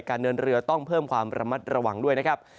เดินเรือต้องเพิ่มความระมัดระวังด้วยนะครับ